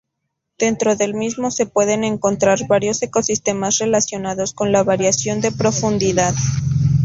Dentro del mismo se pueden encontrar varios ecosistemas relacionados con la variación de profundidad.